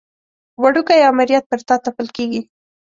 وړوکی امریت پر تا تپل کېږي.